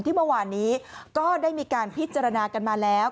เมื่อวานนี้ก็ได้มีการพิจารณากันมาแล้ว